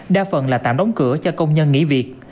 đa phần là tạm đóng cửa cho công nhân nghỉ việc